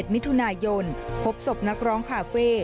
มิถุนายนพบศพนักร้องคาเฟ่